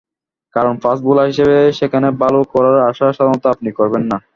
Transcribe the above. কারণ, fast bowler হিসেবে সেখানে ভালো করার আশা সাধারণত আপনি করবেন না।